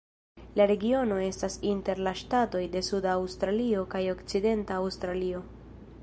La regiono estas inter la ŝtatoj de Suda Aŭstralio kaj Okcidenta Aŭstralio.